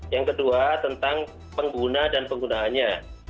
yang kedua tentang pengguna dan penggunaannya